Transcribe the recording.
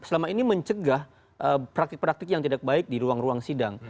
selama ini mencegah praktik praktik yang tidak baik di ruang ruang sidang